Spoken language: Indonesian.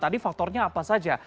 tadi faktornya apa saja